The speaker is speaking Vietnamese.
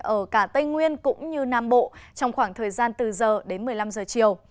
ở cả tây nguyên cũng như nam bộ trong khoảng thời gian từ giờ đến một mươi năm giờ chiều